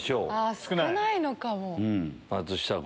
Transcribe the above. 少ないのか。